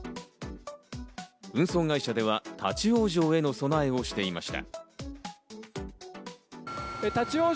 運送会社では立ち往生への備えをしていました。